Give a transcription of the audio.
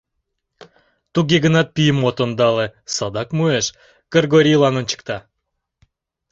Туге гынат пийым от ондале, садак муэш, Кыргорийлан ончыкта.